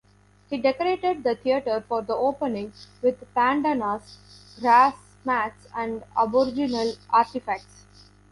He decorated the theatre for the opening with pandanus, grass mats and Aboriginal artefacts.